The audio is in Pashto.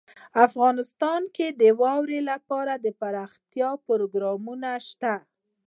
افغانستان کې د واوره لپاره دپرمختیا پروګرامونه شته.